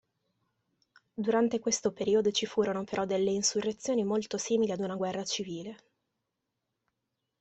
Durante questo periodo ci furono però delle insurrezioni molto simili ad una guerra civile.